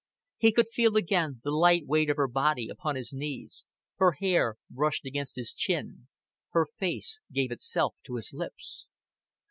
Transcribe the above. He could feel again the light weight of her body upon his knees, her hair brushed against his chin, her face gave itself to his lips.